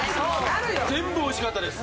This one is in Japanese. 全部おいしかったです